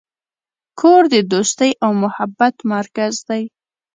کور د دوستۍ او محبت مرکز دی.